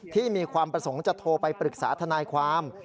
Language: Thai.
มีความประสงค์จะโทรไปปรึกษาทนายความ